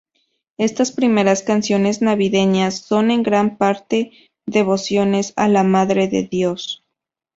Estas primeras canciones navideñas son, en gran parte, devociones a la Madre de Dios.